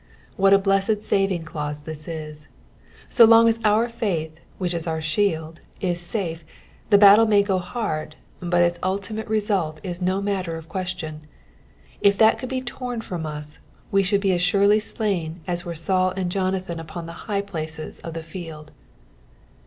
What a blessed aariag clause is this I So long as our faith, which ia our shield, is safe, ttie battle maj go hard, but its ultimate result is no matter of question ; if that could be torn from ns, we should be as surelv slun as were Saut and Jonathan upon the high places of the Held.